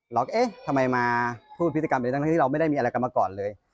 เอ๊ะทำไมมาพูดพฤติกรรมไปทั้งที่เราไม่ได้มีอะไรกันมาก่อนเลย